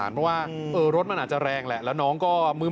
เพราะว่ารถมันอาจจะแรงแหละแล้วน้องก็มื้อ